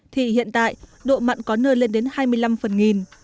thì hiện tại độ mặn có nơi lên đến hai mươi năm phần nghìn